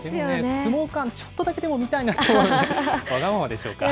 相撲もちょっとだけ見たいなと、わがままでしょうか。